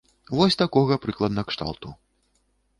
Вось такога прыкладна кшталту.